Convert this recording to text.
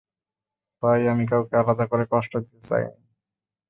তাই আমি কাউকে আলাদা করে কষ্ট দিতে চাইনি।